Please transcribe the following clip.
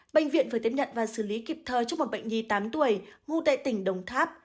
bệnh viện vừa tiếp nhận và xử lý kịp thơ cho một bệnh nhi tám tuổi ngu tại tỉnh đồng tháp